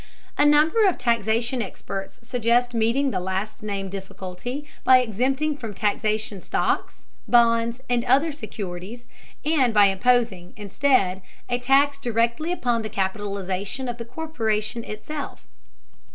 A number of taxation experts suggest meeting the last named difficulty by exempting from taxation stocks, bonds, and other securities, and by imposing, instead, a tax directly upon the capitalization of the corporation itself.